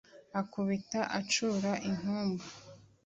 akubita acura inkumba